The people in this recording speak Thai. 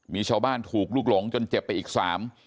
มีชาวบ้านถูกลุกหลงจนเจ็บไปอีกสาม